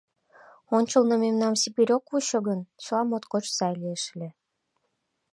— Ончылно мемнам Сибирь ок вучо гын, чыла моткоч сай лиеш ыле